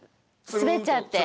滑っちゃって。